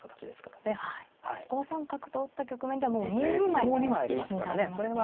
５三角と打った局面ではもう２枚の金がありますね。